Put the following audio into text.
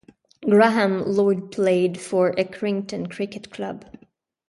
Graham Lloyd Played for Accrington Cricket Club.